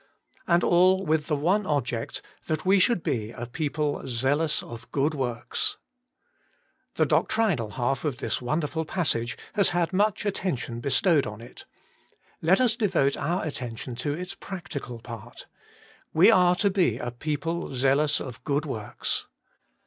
And all with the one object, that we should be a people zealous of good zvorks. The doc trinal half of this wonderful passage has had much attention bestowed on it ; let us devote our attention to its practical part — we are to be a people zealous of good works.